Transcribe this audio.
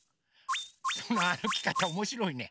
そのあるきかたおもしろいね。